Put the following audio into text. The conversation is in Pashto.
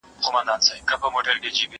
زه به سبا د کتابتون لپاره کار کوم؟